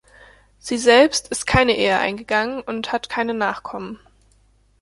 Sie selbst ist keine Ehe eingegangen und hat keine Nachkommen.